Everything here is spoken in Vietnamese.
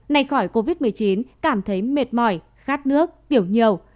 nay khỏi covid một mươi chín cảm thấy mệt mỏi khát nước tiểu nhiều